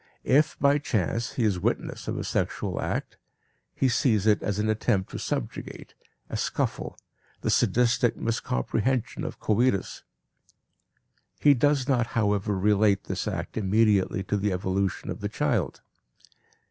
If, by chance, he is witness of a sexual act, he sees in it an attempt to subjugate, a scuffle, the sadistic miscomprehension of coitus; he does not however relate this act immediately to the evolution of the child.